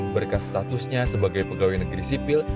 berkat statusnya sebagai pegawai negeri sipil